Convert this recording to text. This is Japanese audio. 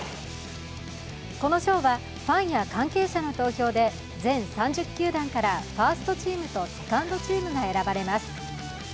この賞はファンや関係者の投票で全３０球団からファーストチームとセカンドチームが選ばれます。